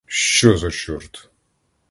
Що за чорт!